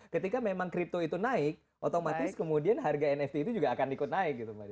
ketika memang crypto itu naik otomatis kemudian harga nft itu juga akan ikut naik gitu mbak